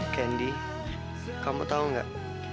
kandi kamu tau nggak